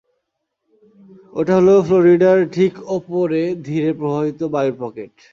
ওটা হলো ফ্লোরিডার ঠিক উপরে ধীরে প্রবাহিত বায়ুর পকেট।